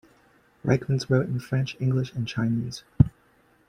Ryckmans wrote in French, English and Chinese.